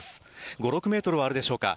５、６メートルはあるでしょうか。